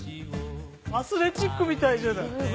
アスレチックみたいじゃない。